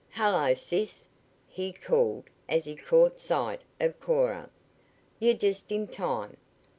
"Hello, sis!" he called as he caught sight of Cora. "You're just in time.